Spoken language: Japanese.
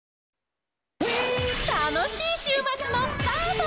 楽しい週末のスタート！